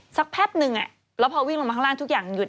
สักแป๊บนึงพอวิ่งลงโลงมาข้างล่างทุกอย่าง